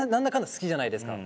好きじゃないですか。